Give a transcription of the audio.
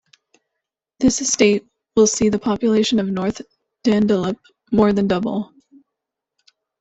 This estate will see the population of North Dandalup more than double.